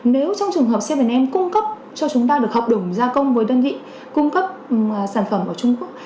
nếu trong trường hợp bảy am cung cấp cho chúng ta được hợp đồng gia công với đơn vị cung cấp sản phẩm ở trung quốc